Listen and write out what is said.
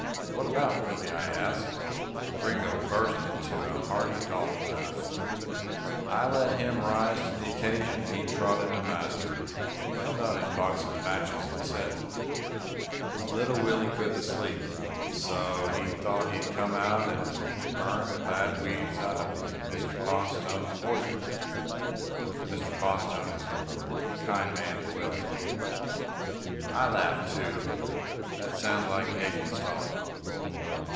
"What about Willie," I asked. Gringo burst into a hearty dog laugh. "I let him rise to the occasion, and he trotted to master, and held out his box of matches, and said: 'Little Willie couldn't sleep, so he thought he'd come and burn the bad weeds out of Mr. Bonstone's orchard, 'cause Mr. Bonstone is a kind man to Willie.'" I laughed too. "That sounds like Yeggie's talk."